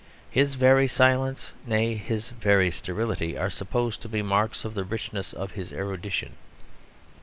His very silence, nay his very sterility, are supposed to be marks of the richness of his erudition.